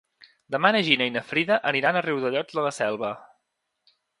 Demà na Gina i na Frida aniran a Riudellots de la Selva.